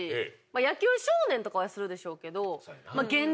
野球少年とかはするでしょうけど。